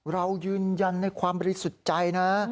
เรายืนยันในความบริสุทธิ์ใจนะ